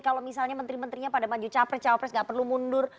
kalau misalnya menteri menterinya pada maju capres cawapres nggak perlu mundur